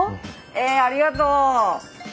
えありがとう。